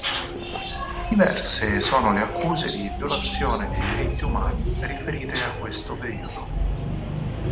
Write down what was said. Diverse sono le accuse di violazione dei diritti umani riferite a questo periodo.